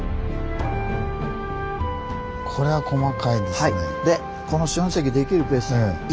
これは細かいですね。